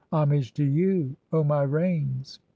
"Homage to you, O my reins!